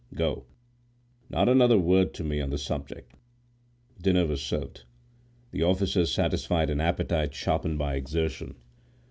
Go; not another word to me on the subject." Dinner was served. The officers satisfied an appetite sharpened by exertion.